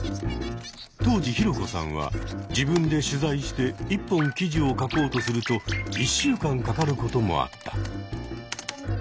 当時ヒロコさんは自分で取材して１本記事を書こうとすると１週間かかることもあった。